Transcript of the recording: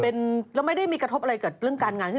โอ้โฮถ้ามีหัวเต็กสิ้นกระแต่งกันไปเถอะ